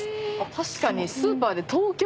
確かに。